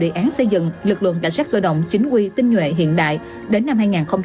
đề án xây dựng lực lượng cảnh sát cơ động chính quy tinh nhuệ hiện đại đến năm hai nghìn hai mươi năm